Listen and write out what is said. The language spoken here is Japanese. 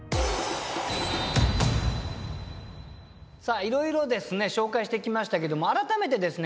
さあいろいろですね紹介してきましたけども改めてですね